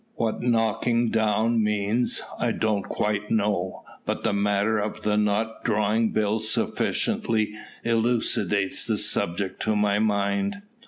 What the knocking down means, I don't quite know; but the matter of the not drawing bills sufficiently elucidates the subject to my mind."